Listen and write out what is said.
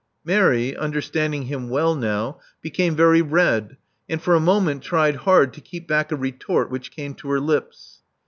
Mary, understanding him well now, became very red, and for a moment tried hard to keep back a retort which came to her lips.